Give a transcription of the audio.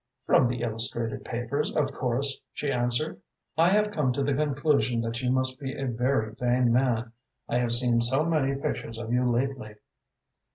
"From the illustrated papers, of course," she answered. "I have come to the conclusion that you must be a very vain man, I have seen so many pictures of you lately."